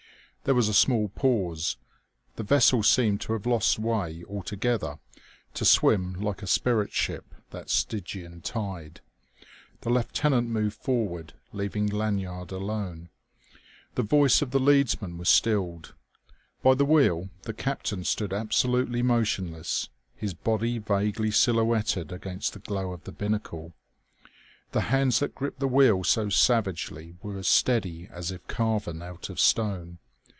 There was a small pause. The vessel seemed to have lost way altogether, to swim like a spirit ship that Stygian tide. The lieutenant moved forward, leaving Lanyard alone. The voice of the leadsman was stilled. By the wheel the captain stood absolutely motionless, his body vaguely silhouetted against the glow of the binnacle. The hands that gripped the wheel so savagely were as steady as if carven out of stone.